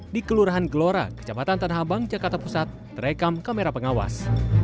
di kelurahan gelora kejabatan tanah abang jakarta pusat terekam kamera pengawas